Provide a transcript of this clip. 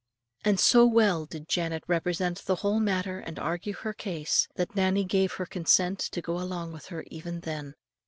And so well did Janet represent the whole matter and argue her case, that Nannie gave her consent to go along with her even then.